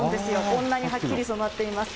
こんなにはっきり染まっています。